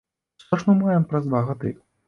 Што ж мы маем праз два гады?